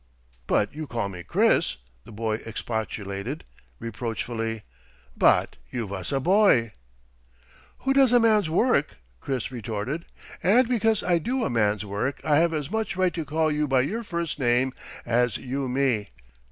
"But you call me 'Chris'!" the boy expostulated, reproachfully. "But you vas a boy." "Who does a man's work," Chris retorted. "And because I do a man's work I have as much right to call you by your first name as you me.